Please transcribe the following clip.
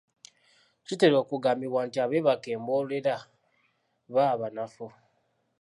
Kitera okugambibwa nti abeebaka emboleera baba banafu!